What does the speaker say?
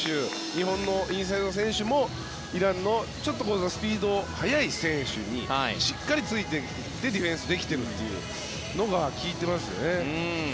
日本のインサイドの選手もイランのスピードが速い選手にしっかりついていってディフェンスできているというのが効いてますよね。